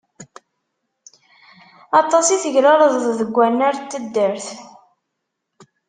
Aṭas i teglalzeḍ deg wannar n taddart.